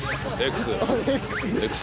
Ｘ。